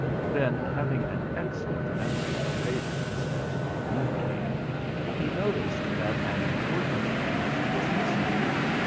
Then, having an excellent memory for faces as our own King, he noticed that an important beast was missing.